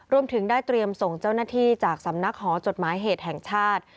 รวมถึงได้เตรียมส่งเจ้าหน้าที่จากสำนักหอจดหมายเหตุแห่งชาติ